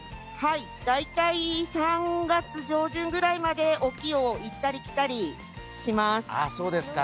大体３月上旬くらいまで沖を行ったり来たりします。